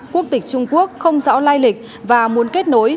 quốc tịch trung quốc không rõ lai lịch và muốn kết nối